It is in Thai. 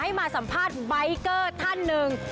มาสัมภาษณ์ใบเกอร์ท่านหนึ่ง